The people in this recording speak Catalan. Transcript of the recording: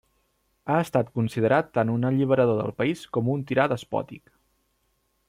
Ha estat considerat tant un alliberador del país com un tirà despòtic.